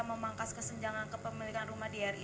memangkas kesenjangan kepemilikan rumah di ri